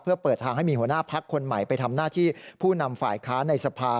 เพื่อเปิดทางให้มีหัวหน้าพักคนใหม่ไปทำหน้าที่ผู้นำฝ่ายค้านในสภา